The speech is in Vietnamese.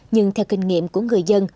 nhưng theo kinh nghiệm của người dân